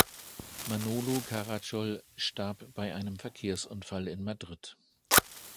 Manolo Caracol starb bei einem Verkehrsunfall in Madrid.